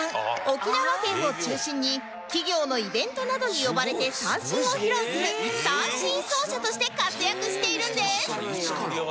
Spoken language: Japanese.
沖縄県を中心に企業のイベントなどに呼ばれて三線を披露する三線奏者として活躍しているんです！